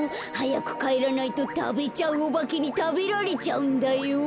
はやくかえらないとたべちゃうおばけにたべられちゃうんだよ。